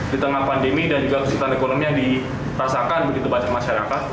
di tengah pandemi dan juga kesulitan ekonomi yang dirasakan begitu banyak masyarakat